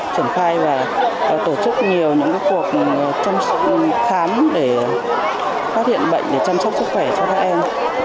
triển khai và tổ chức nhiều những cuộc khám để phát hiện bệnh để chăm sóc sức khỏe cho các em